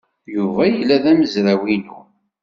Yuba yella d amezraw-inu.